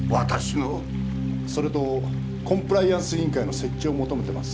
それとコンプライアンス委員会の設置を求めてます。